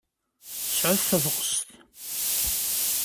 Sɛut tabɣest!